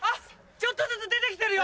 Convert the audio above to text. ちょっとずつ出て来てるよ！